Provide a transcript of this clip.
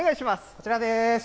こちらです。